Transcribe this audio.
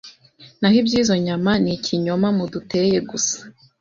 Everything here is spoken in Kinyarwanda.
Naho ibyizo Nyama ,ni Ikinyoma muduteye gusa